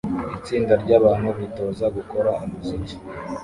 Itsinda ryabantu bitoza gukora umuziki